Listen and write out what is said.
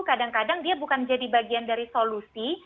kadang kadang dia bukan jadi bagian dari solusi